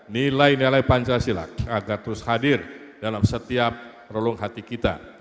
nilai nilai pancasila agar terus hadir dalam setiap relung hati kita